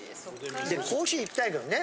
コーヒーいきたいけどね。